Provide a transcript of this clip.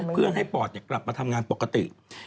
เพื่อให้ปอดกลับมาทำงานปกติ